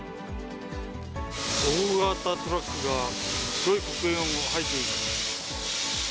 大型トラックが黒い黒煙をはいています。